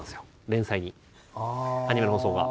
連載にアニメの放送が。